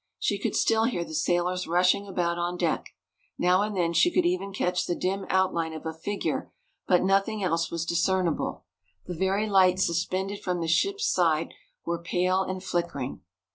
She could still hear the sailors rushing about on deck. Now and then she could even catch the dim outline of a figure, but nothing else was discernible. The very lights suspended from the ship's side were pale and flickering.